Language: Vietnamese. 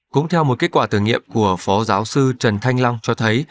cũng theo một kết quả thử nghiệm của phó giáo sư trần thanh long cho thấy